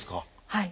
はい。